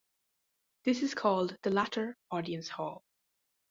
This is called the latter audience hall.